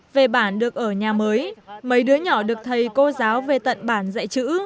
về bản được ở nhà mới mấy đứa nhỏ được thầy cô giáo về tận bản dạy chữ